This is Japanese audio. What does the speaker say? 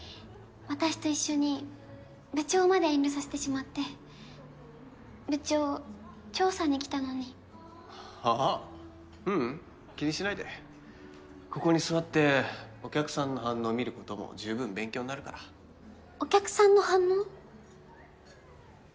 私と一緒に部長まで遠慮させてしまって部長調査に来たのにああううん気にしないでここに座ってお客さんの反応を見ることも十分勉強になるからお客さんの反応？